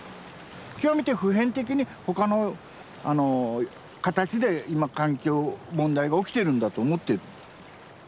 極めて普遍的に他の形で今環境問題が起きてるんだと思ってる。